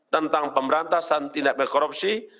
tentang pemberantasan tindak benar korupsi